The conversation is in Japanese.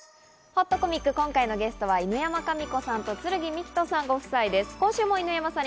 ほっとコミック、今回のゲストは犬山紙子さんと劔樹人さん夫妻です。